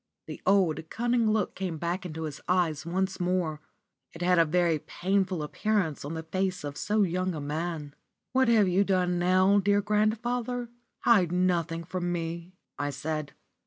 The old, cunning look came back into his eyes once more. It had a very painful appearance on the face of so young a man. "What have you done now, dear grandfather? Hide nothing from me," I said.